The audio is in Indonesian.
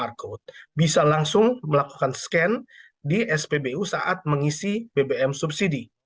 qr code bisa langsung melakukan scan di spbu saat mengisi bbm subsidi